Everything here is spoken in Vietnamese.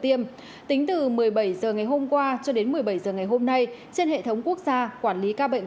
tiêm tính từ một mươi bảy h ngày hôm qua cho đến một mươi bảy h ngày hôm nay trên hệ thống quốc gia quản lý ca bệnh